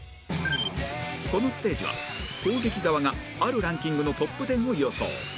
このステージは攻撃側があるランキングのトップ１０を予想